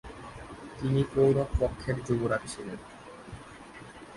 তিনি কৌরব পক্ষের যুবরাজ ছিলেন।